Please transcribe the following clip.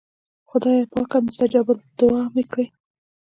خدایه پاکه مستجاب الدعوات مې کړې.